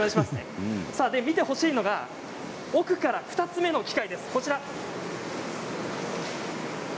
見てほしいのが奥から２つ目の機械です。